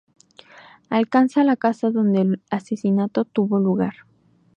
Alcanza la casa donde el asesinato tuvo lugar.